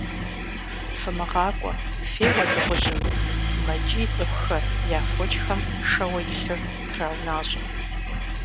- ФымыгъакӀуэ, феуэ дыгъужьым! - мэкӀий цӀыхухэр, я фочхэм шэуэ илъыр траунащӀэ.